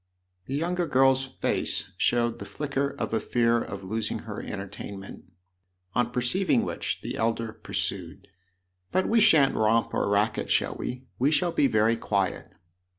The younger girl's face showed the flicker of a fear of losing her entertainment ; on perceiving which the elder pursued :" But we shan't romp or racket shall we ? We shall be very quiet."